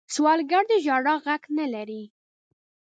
سوالګر د ژړا غږ نه لري